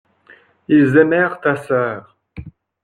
Ils aimèrent ta sœur.